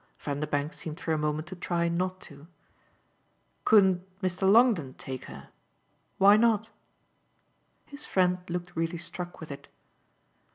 Vanderbank seemed for a moment to try not to. "Couldn't Mr. Longdon take her? Why not?" His friend looked really struck with it.